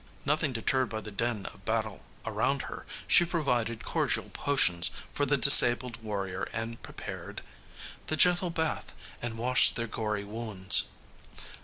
Nothing deterred by the din of battle around her, she provided cordial potions for the disabled warrior and prepared "The gentle bath and washed their gory wounds."